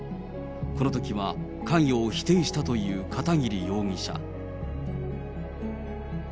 このときは関与を否定したという片桐容疑者。